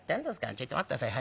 ちょいと待って下さい。